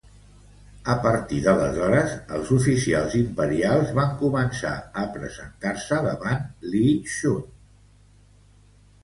A partir d'aleshores, els oficials imperials van començar a presentar-se davant Li Chun.